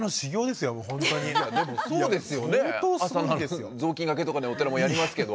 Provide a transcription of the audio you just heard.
朝ぞうきんがけとかねお寺もやりますけど。